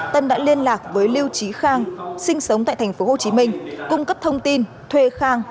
tân đã liên lạc với lưu trí khang sinh sống tại tp hcm cung cấp thông tin thuê khang